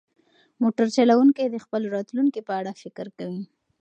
موټر چلونکی د خپل راتلونکي په اړه فکر کوي.